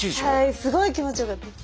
すごい気持ちよかったです。